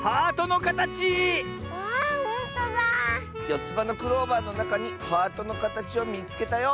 「よつばのクローバーのなかにハートのかたちをみつけたよ！」